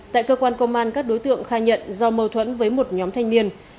tại cơ quan công an các đối tượng khai nhận do mâu thuẫn với một nhóm thanh niên